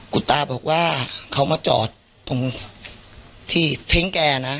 คุณตาบอกว่าเขามาจอดตรงที่ทิ้งแกนะ